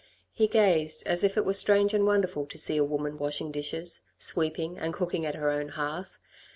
He gazed as if it were strange and wonderful to see a woman washing dishes, sweeping, and cooking at her own hearth.